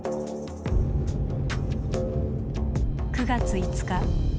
９月５日。